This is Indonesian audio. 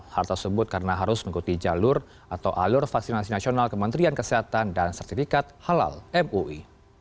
hal tersebut karena harus mengikuti jalur atau alur vaksinasi nasional kementerian kesehatan dan sertifikat halal mui